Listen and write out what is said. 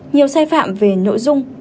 nhiều sai phạm về nội dung